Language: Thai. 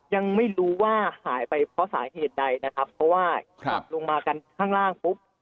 ยังไม่รู้ว่าหายไปเพราะสาเหตุใดนะครับเพราะว่าขับลงมากันข้างล่างปุ๊บ